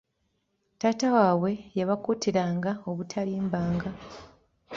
Taata waabwe yabakuutira obutalimbanga.